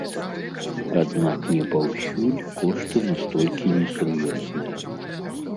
Аднак не паўсюль кошты настолькі несур'ёзныя.